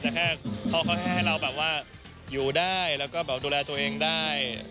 แต่แค่เขาให้เราแบบว่าอยู่ได้แล้วก็แบบดูแลตัวเองได้